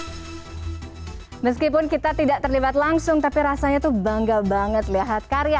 oke meskipun kita tidak terlibat langsung tapi rasanya tuh bangga banget lihat karya